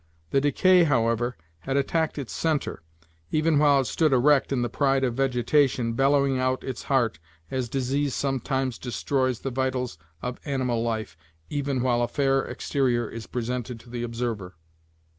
The decay, however, had attacked its centre, even while it stood erect in the pride of vegetation, bellowing out its heart, as disease sometimes destroys the vitals of animal life, even while a fair exterior is presented to the observer.